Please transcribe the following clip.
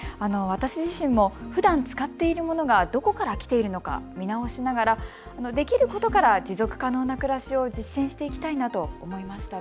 私自身もふだん使っているものがどこから来ているのか見直しながらできることから持続可能な暮らしを実践していきたいなと思いました。